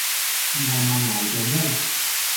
唔係問黎做咩